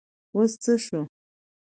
اوس څه شو ؟